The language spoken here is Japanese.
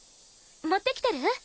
持ってきてる？